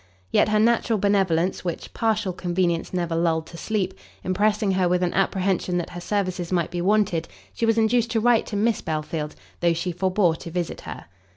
Yet her natural benevolence, which partial convenience never lulled to sleep, impressing her with an apprehension that her services might be wanted, she was induced to write to Miss Belfield, though she forbore to visit her.